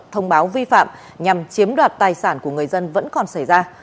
thông báo vi phạm nhằm chiếm đoạt tài sản của người dân vẫn còn xảy ra